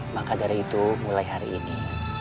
maka dari itu mulai hari ini